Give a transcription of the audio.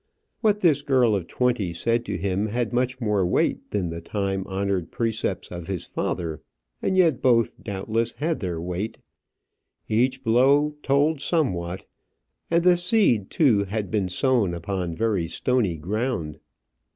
What this girl of twenty said to him had much more weight than the time honoured precepts of his father; and yet both, doubtless, had their weight. Each blow told somewhat; and the seed too had been sown upon very stony ground.